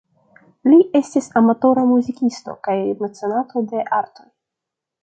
Li estis amatora muzikisto kaj mecenato de artoj.